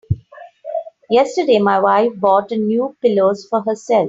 Yesterday my wife bought new pillows for herself.